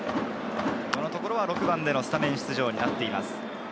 このところは６番でのスタメン出場になっています。